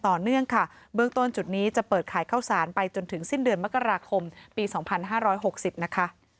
ต่อเนื่องค่ะเบื้องต้นจุดนี้จะเปิดขายข้าวสารไปจนถึงสิ้นเดือนมกราคมปี๒๕๖๐นะคะ